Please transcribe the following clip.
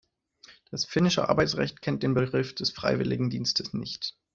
Das finnische Arbeitsrecht kennt den Begriff des Freiwilligendienstes nicht.